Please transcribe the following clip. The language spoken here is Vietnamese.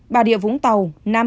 bà địa vũng tàu năm